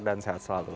dan sehat selalu